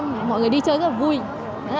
em thấy mọi người đi chơi rất là vui rất là hào hứng